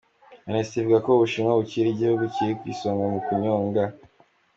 Amnesty ivuga ko u Bushinwa bukiri igihugu kiri ku isonga mu kunyonga.